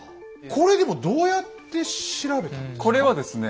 これでもどうやって調べたんですか？